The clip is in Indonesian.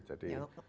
untuk macam macam ya